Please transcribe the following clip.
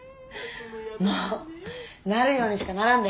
もうなるようにしかならんで。